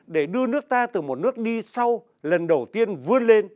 để đưa nước ta từ một nước đi sau lần đầu tiên vươn lên